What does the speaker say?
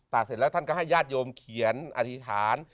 เสร็จแล้วท่านก็ให้ญาติโยมเขียนอธิษฐาน